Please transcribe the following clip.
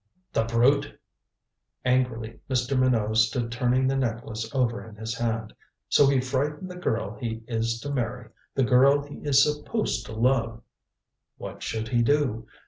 "The brute!" Angrily Mr. Minot stood turning the necklace over in his hand. "So he frightened the girl he is to marry the girl he is supposed to love " What should he do?